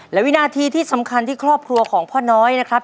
และวินาทีที่สำคัญที่ครอบครัวของพ่อน้อยนะครับ